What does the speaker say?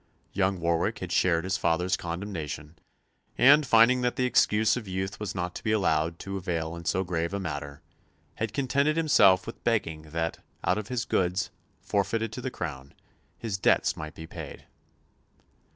Young Warwick had shared his father's condemnation, and, finding that the excuse of youth was not to be allowed to avail in so grave a matter, had contented himself with begging that, out of his goods, forfeited to the Crown, his debts might be paid.